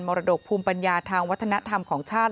รดกภูมิปัญญาทางวัฒนธรรมของชาติ